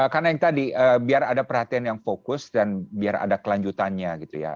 karena yang tadi biar ada perhatian yang fokus dan biar ada kelanjutannya